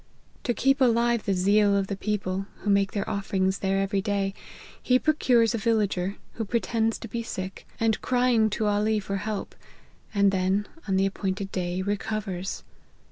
To keep alive the zeal of the people, who make their offerings there every day, he procures a villager, who pretends to be sick, and crying to Ali* for help ; and then, on the appointed day, recovers.